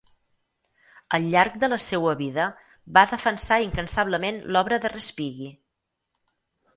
Al llarg de la seua vida va defensar incansablement l'obra de Respighi.